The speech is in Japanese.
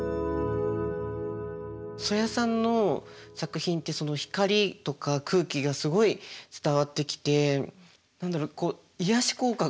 曽谷さんの作品って光とか空気がすごい伝わってきて何だろう癒やし効果があるというか。